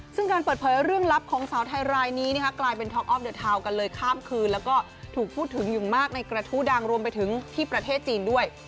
ซึ่งการเปิดเผยเรื่องลับของสาวไทยรายนี้นะคะกลายเป็นท็อกออฟเดอร์ทาวน์กันเลยข้ามคืนแล้วก็ถูกพูดถึงอย่างมากในกระทู้ดังรวมไปถึงที่ประเทศจีนด้วย